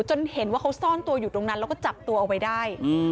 จนเห็นว่าเขาซ่อนตัวอยู่ตรงนั้นแล้วก็จับตัวเอาไว้ได้